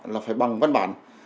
là phải bằng văn bản